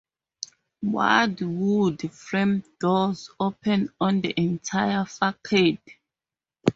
Wide wood-frame doors open on the entire facade.